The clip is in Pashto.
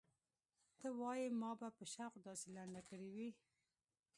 ته وايې ما به په شوق داسې لنډه کړې وي.